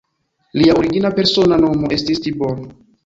Lia origina persona nomo estis Tibor.